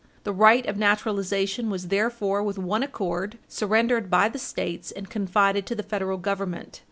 The right of naturalization was therefore, with one accord, surrendered by the States, and confided to the Federal Government.